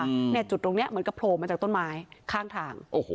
อืมเนี่ยจุดตรงเนี้ยเหมือนกับโผล่มาจากต้นไม้ข้างทางโอ้โห